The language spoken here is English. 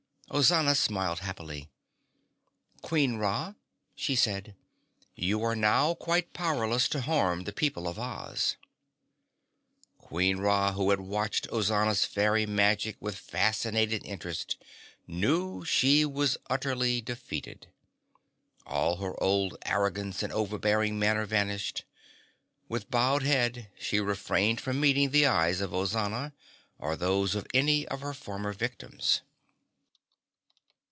Ozana smiled happily. "Queen Ra," she said, "you are now quite powerless to harm the people of Oz." Queen Ra, who had watched Ozana's fairy magic with fascinated interest, knew she was utterly defeated. All her old arrogance and overbearing manner vanished. With bowed head, she refrained from meeting the eyes of Ozana or those of any of her former victims.